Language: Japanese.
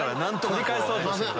取り返そうとしてる。